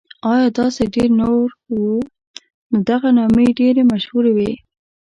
او داسې ډېر نور وو، خو دغه نامې ډېرې مشهورې وې.